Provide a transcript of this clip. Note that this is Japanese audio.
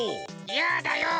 やだよ！